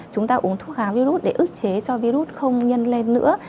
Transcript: chúng ta uống thuốc khá virus để ức chế cho virus không nhân lên nữa